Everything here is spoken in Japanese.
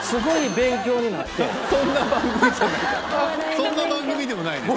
そんな番組でもないです